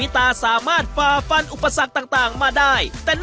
ทำทวายควงมาลัยครับ